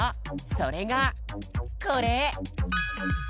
それがこれ！